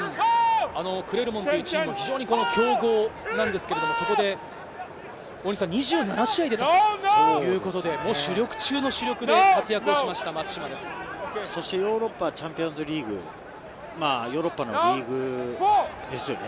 クレルモンというチーム、非常に強豪なんですが、そこで２７試合出たということで、主力中の主力で活躍をしました、ヨーロッパチャンピオンズリーグ、ヨーロッパのリーグですよね。